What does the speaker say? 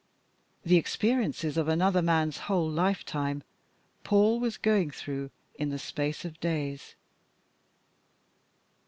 The experiences of another man's whole lifetime Paul was going through in the space of days.